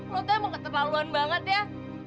lo itu emang keterlaluan banget ya